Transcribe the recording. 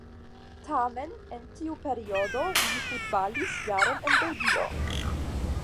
Tamen en tiu periodo li futbalis jaron en Belgio.